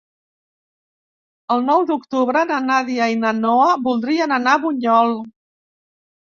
El nou d'octubre na Nàdia i na Noa voldrien anar a Bunyol.